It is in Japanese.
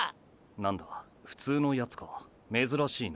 何だフツウのヤツか珍しいな。